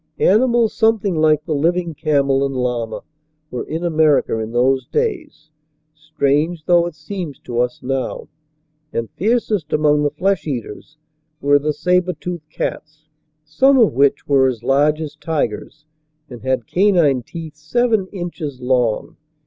Animals something like the living camel and llama were in America in those days, strange though it seems to us now. And fiercest among the flesh eaters were the saber toothed cats, some of which were as large as tigers and had canine teeth seven inches long.